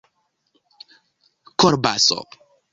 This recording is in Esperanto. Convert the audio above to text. kolbaso